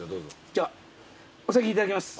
じゃお先いただきます。